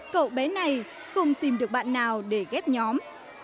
cậu bé này không tìm được bạn nào để ghép nhóm